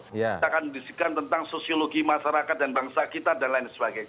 kita akan diskusikan tentang sosiologi masyarakat dan bangsa kita dan lain sebagainya